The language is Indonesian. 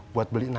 buat beli nangis